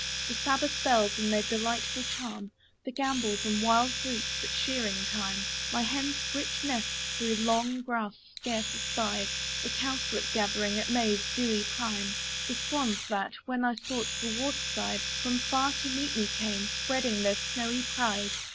The sabbath bells, and their delightful chime; The gambols and wild freaks at shearing time; My hen's rich nest through long grass scarce espied; The cowslip gathering at May's dewy prime; The swans, that, when I sought the water side, From far to meet me came, spreading their snowy pride.